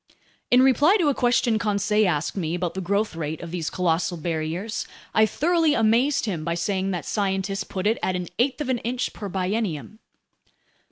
In reply to a question Conseil asked me about the growth rate of these colossal barriers, I thoroughly amazed him by saying that scientists put it at an eighth of an inch per biennium.